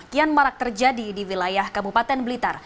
kian marak terjadi di wilayah kabupaten blitar